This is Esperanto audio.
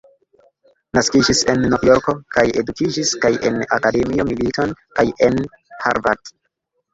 Naskiĝis en Novjorko kaj edukiĝis kaj en Akademio Milton kaj en Harvard.